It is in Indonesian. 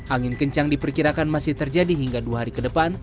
angin kencang diperkirakan masih terjadi hingga dua hari ke depan